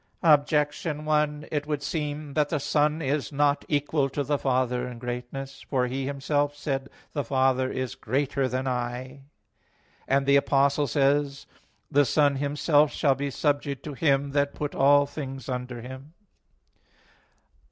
Objection 1: It would seem that the Son is not equal to the Father in greatness. For He Himself said (John 14:28): "The Father is greater than I"; and the Apostle says (1 Cor. 15:28): "The Son Himself shall be subject to Him that put all things under Him."